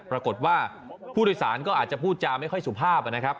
ปรากฏว่าผู้โดยสารก็อาจจะพูดจาไม่ค่อยสุภาพนะครับ